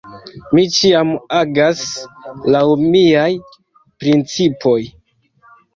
Mi ĉiam agas laŭ miaj principoj.